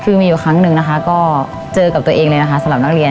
คือมีอยู่ครั้งหนึ่งนะคะก็เจอกับตัวเองเลยนะคะสำหรับนักเรียน